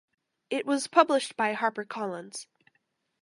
It was published by Harper Collins.